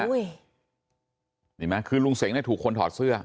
เห็นไหมคือลุงเสงเนี่ยถูกคนถอดเสื้อ